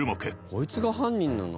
こいつが犯人なの？